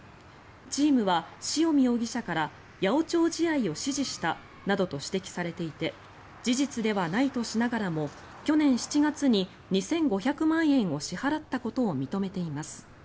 チームは塩見容疑者から八百長試合を指示したなどと指摘されていて事実ではないとしながらも去年７月に２５００万円を支払ったことを認めています。